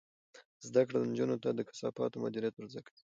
زده کړه نجونو ته د کثافاتو مدیریت ور زده کوي.